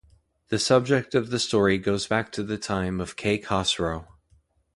The subject of the story goes back to the time of Kay Khosrow.